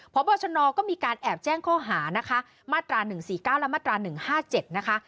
พบชนก็มีการแอบแจ้งข้อหานะคะมาตรา๑๔๙และมาตรา๑๕๗นะคะ